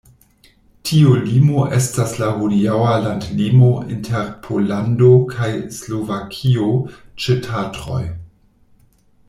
Tiu limo estas la hodiaŭa landlimo inter Pollando kaj Slovakio ĉe Tatroj.